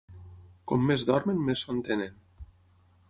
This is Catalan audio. Com més dormen més son tenen.